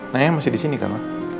naya masih disini kak ma